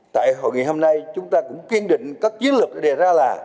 tại hội nghị hôm nay chúng ta cũng kiên định các chiến lược đã đề ra là